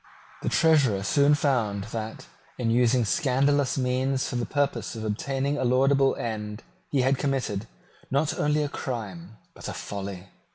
The Treasurer soon found that, in using scandalous means for the purpose of obtaining a laudable end, he had committed, not only a crime, but a folly.